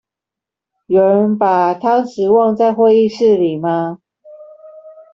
有人把湯匙忘在會議室裡嗎？